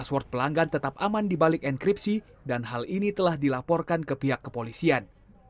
pasport pelanggan tetap aman dibalik enkripsi dan hal ini telah dilaporkan ke pihak kepolisian